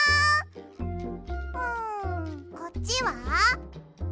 うんこっちは？